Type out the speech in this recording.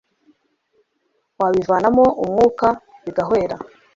wabivanamo umwuka bigahwera